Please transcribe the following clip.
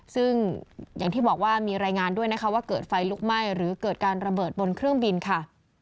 ซึ่งอย่างที่บอกว่ามีรายงานด้วยนะคะว่าเกิดไฟลุกไหม้หรือเกิดการระเบิดบนเครื่องบินค่ะ